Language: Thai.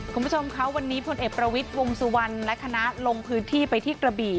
คุณผู้ชมคะวันนี้พลเอกประวิทย์วงสุวรรณและคณะลงพื้นที่ไปที่กระบี่